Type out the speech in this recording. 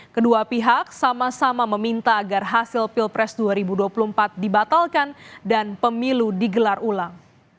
kedua pihak sama sama meminta agar hasil pilpres dua ribu dua puluh empat dibatalkan dan pemilu digelar ulang